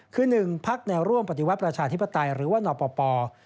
คือ๑พักแนวร่วมปฏิวัติประชาธิปไตยหรือว่านปป